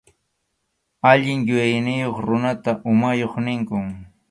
Allin yuyayniyuq runata umayuq ninkum.